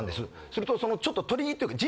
するとちょっと鳥居というか。